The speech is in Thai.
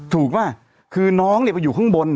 ถูกป่ะคือน้องเนี่ยไปอยู่ข้างบน